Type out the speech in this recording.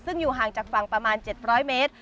ซึ่งอยู่ห่างจากฝั่งประมาณ๗๐๐เมตร